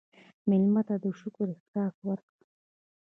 مېلمه ته د شکر احساس ورکړه.